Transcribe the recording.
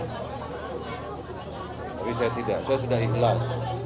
tapi saya tidak saya sudah ikhlas